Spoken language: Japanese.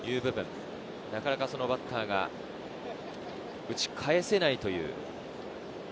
なかなかバッターが打ち返せない。